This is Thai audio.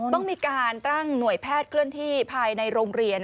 ต้องมีการตั้งหน่วยแพทย์เคลื่อนที่ภายในโรงเรียน